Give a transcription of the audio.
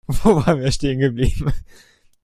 Wo waren wir stehen geblieben?